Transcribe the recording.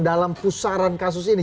dalam pusaran kasus ini